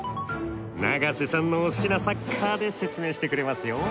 永瀬さんのお好きなサッカーで説明してくれますよ。